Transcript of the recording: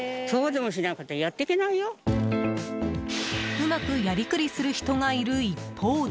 うまくやり繰りする人がいる一方で。